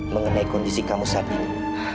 mengenai kondisi kamu saat ini